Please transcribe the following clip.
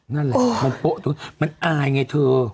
นั่นแหละมันโป๊ะตรงมันอายไงเธอ